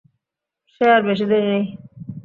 সে আর বেশি দেরি নেই।